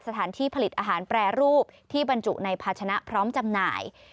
สถานที่ผลิตอาหารแปรรูปที่บรรจุในภาชนะพร้อมจำหน่าย